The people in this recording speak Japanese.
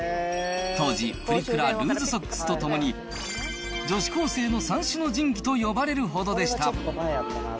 当時、プリクラ、ルーズソックスとともに、女子高生の三種の神器と呼ばれるほどでした。